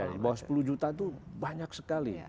di bawah sepuluh juta itu banyak sekali